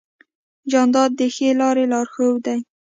جانداد د ښې لارې لارښود دی.